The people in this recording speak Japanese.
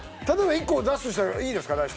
例えば１個を出すとしたらいいですか？